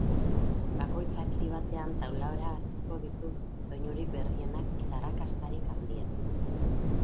Bakoitzak hiri batean taularatuko ditu doinurik berrienak eta arrakastarik handienak.